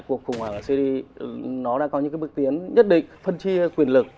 cuộc khủng hoảng ở syri nó đã có những bước tiến nhất định phân chia quyền lực